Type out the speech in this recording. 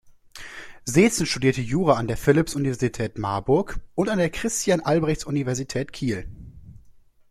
Seetzen studierte Jura an der Philipps-Universität Marburg und an der Christian-Albrechts-Universität Kiel.